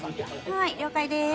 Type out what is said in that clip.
はい了解です。